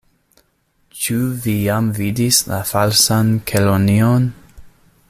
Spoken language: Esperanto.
"Ĉu vi jam vidis la Falsan Kelonion?"